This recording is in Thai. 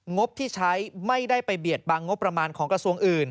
งบที่ใช้ไม่ได้ไปเบียดบังงบประมาณของกระทรวงอื่น